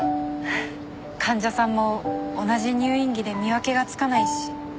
患者さんも同じ入院着で見分けがつかないし。